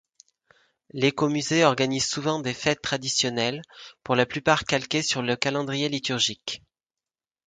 L'Écomusée organise souvent des fêtes traditionnelles, pour la plupart calquées sur le calendrier liturgique.